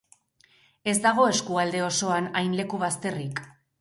Ez dago eskualde osoan hain leku bazterrik.